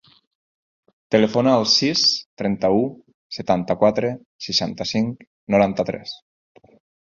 Telefona al sis, trenta-u, setanta-quatre, seixanta-cinc, noranta-tres.